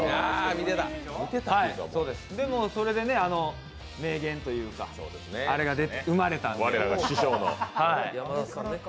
それで名言というかあれが生まれたんで。